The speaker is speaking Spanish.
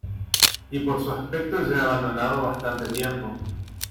y por su aspecto lleva abandonado bastante tiempo.